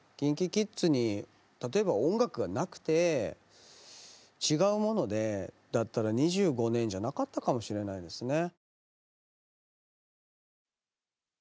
ＫｉｎＫｉＫｉｄｓに例えば音楽がなくて違うものでだったら２５年じゃなかったかもしれないですね。